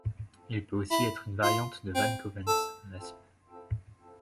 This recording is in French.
Il peut aussi être une variante de van Covens, resp.